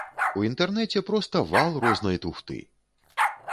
У інтэрнэце проста вал рознай туфты.